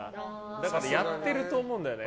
だから、やってると思うんだよね。